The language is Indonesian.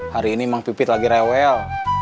hari ini memang pipit lagi rewel